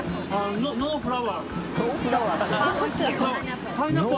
「ノーフラワー」